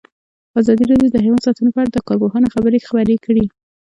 ازادي راډیو د حیوان ساتنه په اړه د کارپوهانو خبرې خپرې کړي.